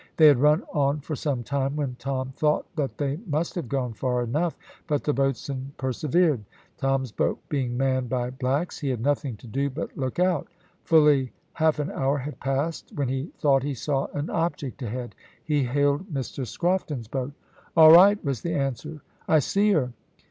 They had run on for some time when Tom thought that they must have gone far enough, but the boatswain persevered. Tom's boat being manned by blacks he had nothing to do but look out. Fully half an hour had passed, when he thought he saw an object ahead. He hailed Mr Scrofton's boat. "All right!" was the answer, "I see her."